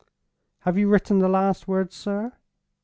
"Have you written the last words, sir?"